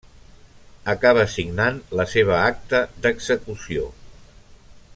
Acaba signant la seva acta d'execució.